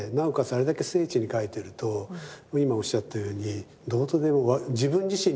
あれだけ精緻に描いてると今おっしゃったようにどうとでも自分自身の心持ちが映し出されてしまう。